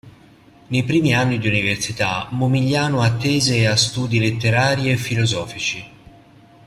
Nei primi anni di università, Momigliano attese a studi letterari e filosofici.